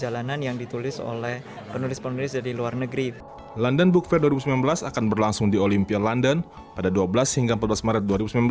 london book fair dua ribu sembilan belas akan berlangsung di olimpia london pada dua belas hingga empat belas maret dua ribu sembilan belas